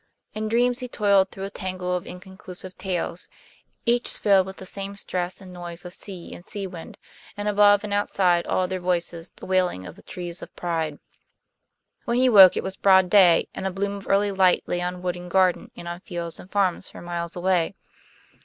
In dreams he toiled through a tangle of inconclusive tales, each filled with the same stress and noise of sea and sea wind; and above and outside all other voices the wailing of the Trees of Pride. When he woke it was broad day, and a bloom of early light lay on wood and garden and on fields and farms for miles away.